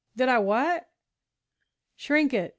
"Did I what?" "Shrink it.